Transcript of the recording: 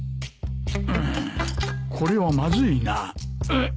うんこれはまずいな